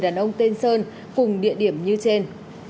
đàn ông tên sơn cùng địa điểm như trên